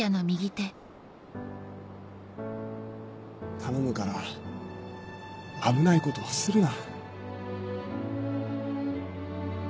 頼むから危ないことはするな。